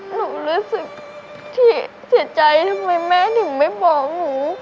รู้สึกที่เสียใจทำไมแม่ถึงไม่บอกหนู